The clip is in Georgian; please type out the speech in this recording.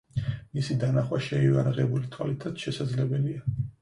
მისი დანახვა შეუიარაღებელი თვალითაც შესაძლებელია.